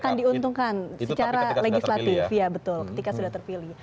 akan diuntungkan secara legislatif ya betul ketika sudah terpilih